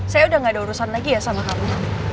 saya udah gak ada urusan lagi ya sama kamu